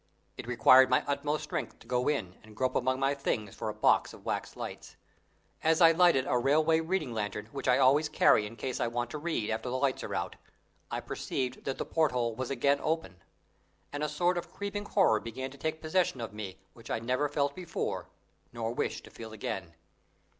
It required my utmost strength to go in, and grope among my things for a box of wax lights. As I lighted a railway reading lantern which I always carry in case I want to read after the lamps are out, I perceived that the porthole was again open, and a sort of creeping horror began to take possession of me which I never felt before, nor wish to feel again.